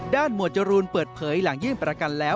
หมวดจรูนเปิดเผยหลังยื่นประกันแล้ว